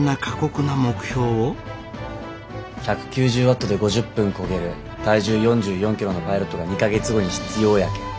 １９０ワットで５０分こげる体重４４キロのパイロットが２か月後に必要やけん。